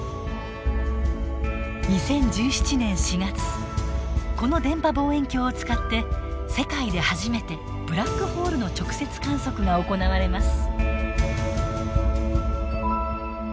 ２０１７年４月この電波望遠鏡を使って世界で初めてブラックホールの直接観測が行われます。